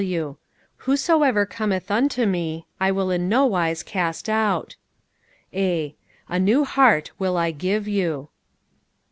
W Whosoever cometh unto Me, I will in no wise cast out. A A new heart will I give you.